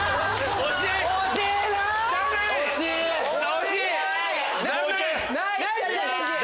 惜しい！